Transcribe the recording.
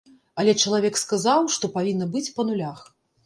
Але чалавек сказаў, што павінна быць па нулях.